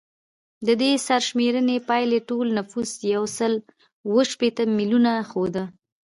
د دې سرشمېرنې پایلې ټول نفوس یو سل اووه شپیته میلیونه ښوده